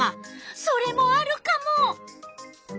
それもあるカモ。